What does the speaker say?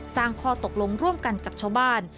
ข้อตกลงร่วมกันกับชาวบ้าน